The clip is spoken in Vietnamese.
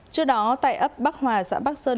trước đó tại ấp bắc hòa xã bắc sơn